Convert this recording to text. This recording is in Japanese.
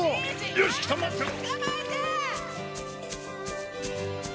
よし来た待ってろ！